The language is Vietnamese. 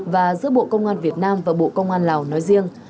và giữa bộ công an việt nam và bộ công an lào nói riêng